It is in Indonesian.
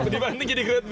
dibanting jadi grade b